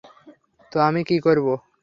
তো আমি কী করব?